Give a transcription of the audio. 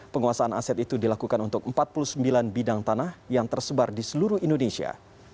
penguasaan aset itu dilakukan untuk empat puluh sembilan bidang tanah yang tersebar di seluruh indonesia